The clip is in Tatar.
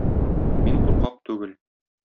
Мин куркак түгел!